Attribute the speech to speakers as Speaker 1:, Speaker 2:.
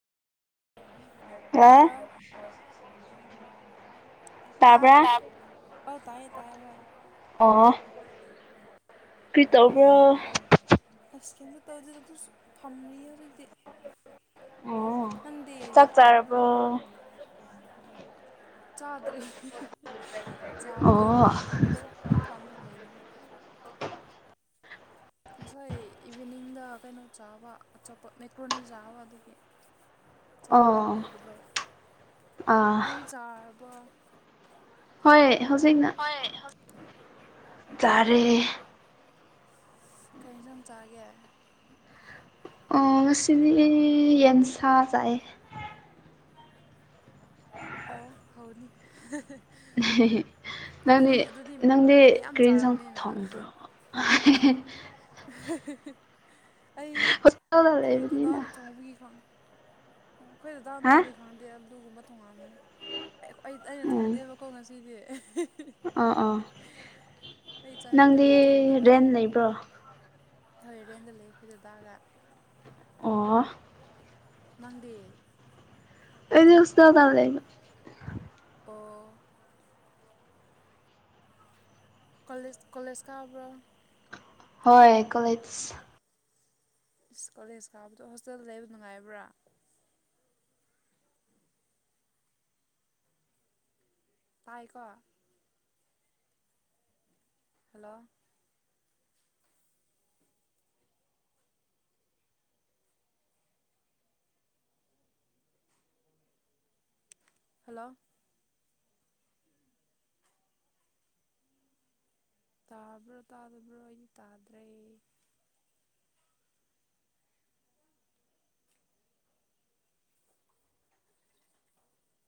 Speaker 1: hello
Speaker 2: [unintelligible]
Speaker 1: ꯇꯥꯕ꯭ꯔꯥ ꯑꯧ ꯇꯥꯏꯌꯦ ꯇꯥꯏꯌꯦ ꯍꯣꯏ
Speaker 2: ꯑꯣ ꯀ꯭ꯔꯤ ꯇꯩꯕ꯭ꯔꯣ
Speaker 1: ꯑꯁ ꯀꯩꯝꯇ ꯇꯧꯗꯦꯗ ꯑꯗꯨꯁꯨ ꯐꯝꯔꯤꯌꯦ ꯍꯧꯖꯤꯛꯇꯤ
Speaker 2: ꯑꯣ
Speaker 1: ꯅꯪꯗꯤ
Speaker 2: ꯆꯥꯛ ꯆꯥꯔꯕꫭ
Speaker 1: ꯆꯥꯗ꯭ꯔꯤ ꯍꯤ ꯍꯤ ꯍꯤ ꯆꯥꯕ
Speaker 2: ꯑꯣ
Speaker 1: ꯇꯟꯕ ꯑꯗꯒꯤꯁꯨꯨꯝ ꯐꯝꯔ ꯂꯩꯕꯅꯤ ꯉꯁꯥꯏ ꯏꯚꯤꯅꯤꯡꯗ ꯀꯩꯅꯣ ꯆꯥꯕ ꯑꯆꯥꯄ ꯃꯦꯀ꯭ꯔꯣꯅꯤ ꯆꯥꯕ ꯑꯗꯨꯒꯤ ꯆꯥꯅꯤꯡꯕ
Speaker 2: ꯑꯣ
Speaker 1: ꯐꯥꯎꯗꯕ
Speaker 2: ꯑꯥ
Speaker 1: ꯅꯣꯏꯗꯤ ꯆꯥꯔꯕꯣ
Speaker 2: ꯍꯣꯏ ꯍꯧꯖꯤꯛꯅ
Speaker 1: ꯍꯣꯏ ꯍꯧꯖꯤꯛꯅ
Speaker 2: ꯆꯥꯔꯦ
Speaker 1: ꯑꯣ ꯀꯩ ꯏꯟꯁꯥꯡ ꯆꯥꯒꯦ
Speaker 2: ꯉꯁꯤꯗꯤ ꯌꯦꯟꯁꯥ ꯆꯥꯏꯌꯦ
Speaker 1: ꯑꯣ ꯍꯥꯎꯅꯤ ꯍ ꯍ
Speaker 2: ꯎꯍꯦ ꯍꯦ ꯅꯪꯗꯤ ꯅꯪꯗꯤ
Speaker 1: ꯃꯌꯥꯝ
Speaker 2: ꯀ꯭ꯔꯤ ꯏꯟꯁꯥꯡ
Speaker 1: ꯆꯥꯔꯝꯅꯤꯅ
Speaker 2: ꯊꯣꯡꯕ꯭ꯔꯣ [unintelligible]
Speaker 1: ꯑꯍ ꯍ ꯍ ꯑꯩ
Speaker 2: ꯍꯣꯁꯇꯦꯜꯗ ꯂꯩꯕꯅꯤꯅ
Speaker 1: ꯈꯣꯏꯗꯗꯥꯅ ꯊꯣꯡꯕꯒꯤ ꯈꯪ ꯑꯈꯣꯏ ꯗꯗꯥꯟ
Speaker 2: ꯍꯥ
Speaker 1: ꯊꯣꯡꯕꯩ ꯈꯪꯗꯦ ꯑꯂꯨꯒꯨꯝꯕ ꯊꯣꯡꯉꯝꯅꯤ ꯑꯩ ꯑꯩꯅ
Speaker 2: ꯎꯝ
Speaker 1: ꯊꯣꯡꯗꯦꯕꯀꯣ ꯉꯁꯤꯗꯤ ꯑꯦ ꯍꯦ ꯍꯦ ꯍꯦ
Speaker 2: ꯑꯥ ꯑꯥ ꯅꯪꯗꯤ
Speaker 1: ꯆꯥꯅꯤꯡꯗꯕꯒꯤ
Speaker 2: ꯔꯦꯟ ꯂꯩꯕ꯭ꯔꯣ
Speaker 1: ꯍꯣꯔ ꯔꯦꯟꯗ ꯂꯩ ꯑꯩꯈꯣꯏ ꯗꯗꯥꯒ
Speaker 2: ꯑꯣ
Speaker 1: ꯅꯪꯗꯤ
Speaker 2: ꯑꯩꯗꯤ ꯍꫭꯁꯇ‌ꯦꯜꯗ ꯂꯩꯕ
Speaker 1: ꯑꯣ ꯀꯣꯂꯦꯖ ꯀꯣꯂꯦꯖ ꯀꯥꯕ꯭ꯔꯣ
Speaker 2: ꯍꯣꯏ ꯀꯣꯂꯦꯖ
Speaker 1: ꯏꯁ ꯀꯣꯂꯦꯖ ꯀꯥꯕꯗꯣ ꯍꯣꯁꯇꯦꯜꯗ ꯂꯩꯕ ꯅꯨꯡꯉꯥꯏꯕ꯭ꯔꯥ ꯇꯥꯏꯀꯣ ꯍꯜꯂꯣ ꯍꯜꯂꯣ ꯇꯥꯕ꯭ꯔꯣ ꯇꯥꯗꯕ꯭ꯔꯣ ꯑꯩꯗꯤ ꯇꯥꯗ꯭ꯔꯦ